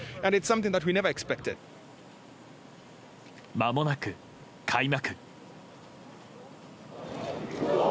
まもなく、開幕。